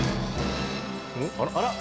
あら？